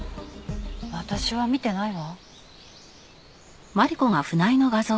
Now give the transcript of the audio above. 私は見てないわ。